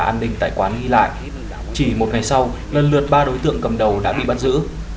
an ninh tại quán ghi lại chỉ một ngày sau lần lượt ba đối tượng cầm đầu đã bị bắt giữ